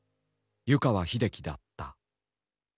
湯川秀樹だった。